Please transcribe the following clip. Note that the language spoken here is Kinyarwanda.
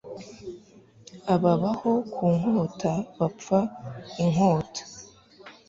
Ababaho ku nkota bapfa inkota